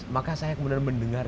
maka saya kemudian mendengar